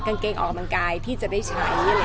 กางเกงออกกำลังกายที่จะได้ใช้